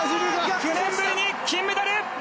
９年ぶりに金メダル！